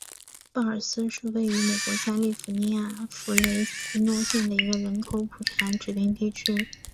鲍尔斯是位于美国加利福尼亚州弗雷斯诺县的一个人口普查指定地区。